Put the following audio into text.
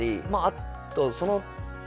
あとその時